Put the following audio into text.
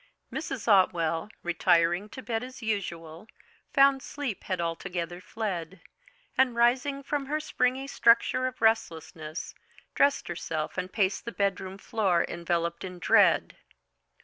Mrs. Otwell, retiring to bed as usual, found sleep had altogether fled, and rising from her springy structure of restlessness, dressed herself and paced the bedroom floor enveloped in dread.